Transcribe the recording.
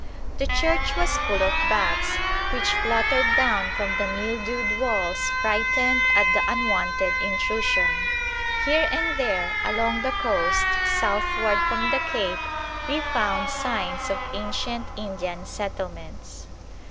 The church was full of bats, which fluttered down from the mildewed walls frightened at the unwonted intrusion. Here and there along the coast southward from the cape we found signs of ancient Indian settlements.